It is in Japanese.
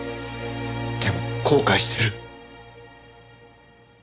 でも後悔してる。